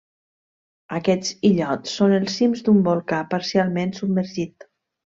Aquests illots són els cims d'un volcà parcialment submergit.